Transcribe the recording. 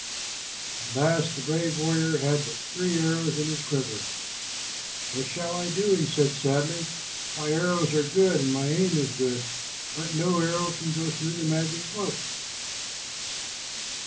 At last the brave warrior had but three arrows in his quiver. "What shall I do?" he said sadly. "My arrows are good and my aim is good, but no arrow can go through the magic cloak."